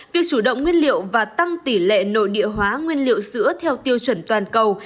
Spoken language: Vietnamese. việc chủ động nguyên liệu và tăng tỷ lệ nội địa hóa nguyên liệu sữa theo tiêu chuẩn toàn cầu